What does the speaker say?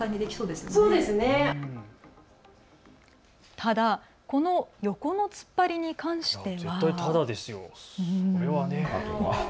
ただ、この横の突っ張りに関しては。